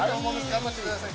頑張ってください。